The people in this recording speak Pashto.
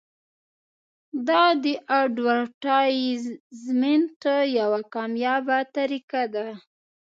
دا د اډورټایزمنټ یوه کامیابه طریقه ده.